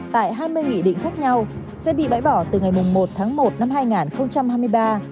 tại hai mươi nghị định khác nhau sẽ bị bãi bỏ từ ngày một tháng một năm hai nghìn hai mươi ba